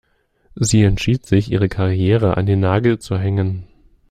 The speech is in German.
Sie entschied sich, ihre Karriere an den Nagel zu hängen.